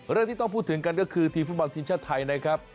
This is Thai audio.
เรื่องที่ต้องพูดถึงกันก็คือทีมฟุตบอลทีมชาติไทยนะครับ